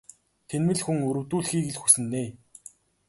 Тэнэмэл хүн өрөвдүүлэхийг л хүснэ ээ.